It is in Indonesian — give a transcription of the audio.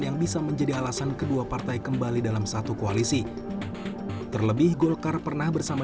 yang bisa menjadi alasan kedua partai kembali dalam satu koalisi terlebih golkar pernah bersama